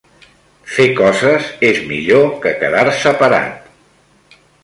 Fer coses és millor que quedar-se parat.